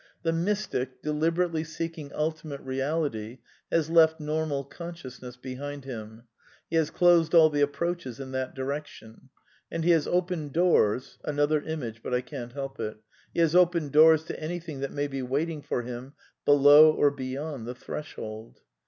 The mystic, deliberately seeking Ultimate Beality, has left normal consciousness behind him ; he has closed all the approaches in that direction ; and he has opened doors (another image, but I can't help it), ) he has opened doors to anything that may be waiting for I him below or beyond the threshold.